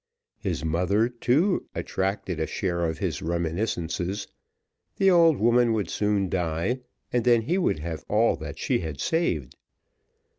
His mother, too, attracted a share of his reminiscences; the old woman would soon die, and then he would have all that she had saved.